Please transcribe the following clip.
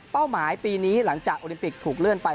หมายปีนี้หลังจากโอลิมปิกถูกเลื่อนไป